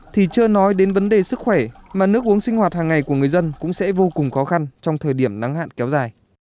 thì chưa nói đến vấn đề sức khỏe mà nước uống sinh hoạt hàng ngày của người dân cũng sẽ vô cùng khó khăn trong thời điểm nắng hạn kéo dài